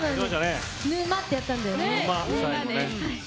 「ヌマ」ってやってたんだよね。